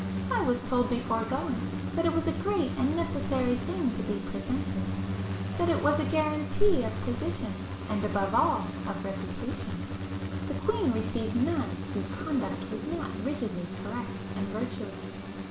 I was told before going that it was a great and necessary thing to be 'presented,'—that it was a guarantee of position, and above all of reputation,—the Queen received none whose conduct was not rigidly correct and virtuous.